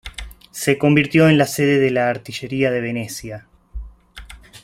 Se convirtió en la sede de la artillería de Venecia.